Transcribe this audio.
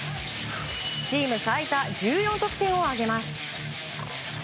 チーム最多１４得点を挙げます。